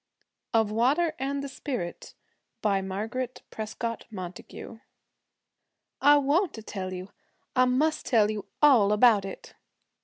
OF WATER AND THE SPIRIT BY MARGARET PRESCOTT MONTAGUE 'I WANT to tell you I must tell you all about it.'